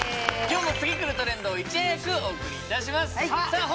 今日も次くるトレンドをいち早くお送りいたしますさあ